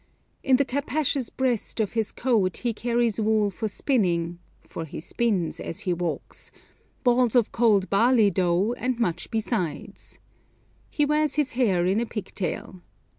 In the capacious breast of his coat he carries wool for spinning for he spins as he walks balls of cold barley dough, and much besides. He wears his hair in a pigtail.